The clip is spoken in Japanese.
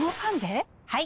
はい！